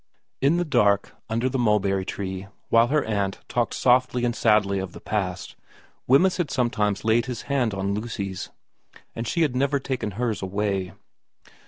In the dark under the mulberry tree, while her aunt talked softly and sadly of the past, Wemyss had some times laid his hand on Lucy's, and she had never taken hers away.